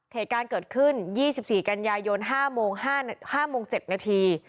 เหตุการณ์เกิดขึ้น๒๔กันยายน๕โมง๗นาที